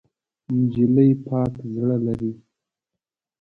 نجلۍ پاک زړه لري.